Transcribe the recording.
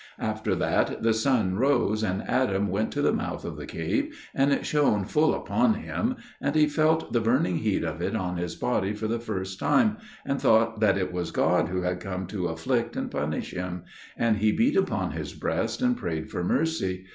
After that the sun rose, and Adam went to the mouth of the cave, and it shone full upon him, and he felt the burning heat of it on his body for the first time, and thought that it was God who had come to afflict and punish him; and he beat upon his breast and prayed for mercy.